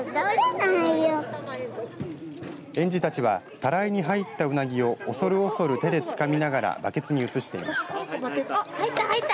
園児たちはたらいに入ったウナギを恐る恐る手でつかみながらバケツに移していました。